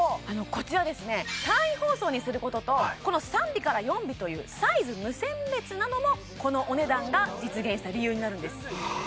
こちらですね簡易包装にすることとこの３尾から４尾というサイズ無選別なのもこのお値段が実現した理由になるんです